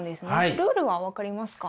ルールは分かりますか？